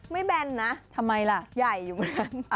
ไม่แบนนะทำไมล่ะใหญ่อยู่มั้ง